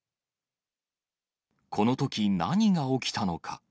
このとき、何が起きたのか。